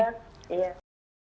terima kasih juga